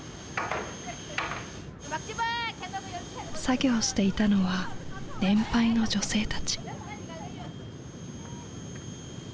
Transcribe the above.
作業していたのは年配の女性たち。